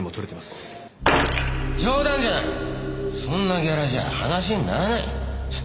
そんなギャラじゃ話にならない。